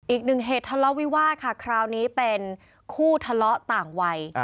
อีกหนึ่งเหตุทะเลาะวิวาสค่ะคราวนี้เป็นคู่ทะเลาะต่างวัย